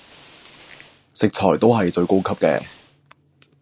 食材都係最高級嘅